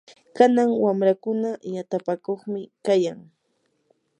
kanan wamrakuna yatapakuqmi kayan.